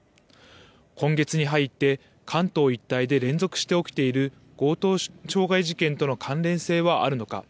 今月に入って関東一帯で連続して起きている強盗傷害事件との関連性はあるのか。